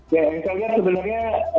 ya misalnya sebenarnya